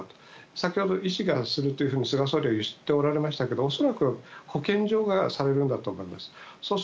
先ほど、医師がするというふうに菅総理はおっしゃられていましたが恐らく保健所がそうだと思います。